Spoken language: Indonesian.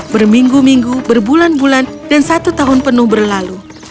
berminggu minggu berbulan bulan dan satu tahun penuh berlalu